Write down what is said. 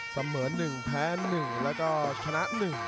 เสมอ๑แพ้๑แล้วก็ชนะ๑